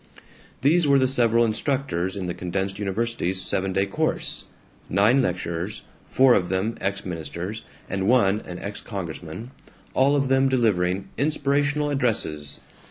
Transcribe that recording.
These were the several instructors in the condensed university's seven day course: Nine lecturers, four of them ex ministers, and one an ex congressman, all of them delivering "inspirational addresses."